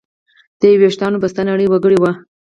د يو وېښته په بسته نړۍ وکړى وى.